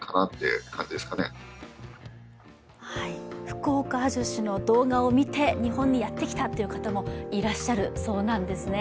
「福岡アジョシ」の動画を見て日本にやってきたという方もいらっしゃるそうなんですね。